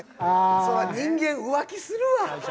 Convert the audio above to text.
そりゃ人間浮気するわ。